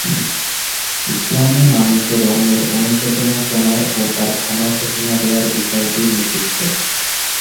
ইসলামে মানুষের অন্যের অনুশোচনা শোনার ও তার ক্ষমা ঘোষণা দেয়ার বিষয়টি নিষিদ্ধ।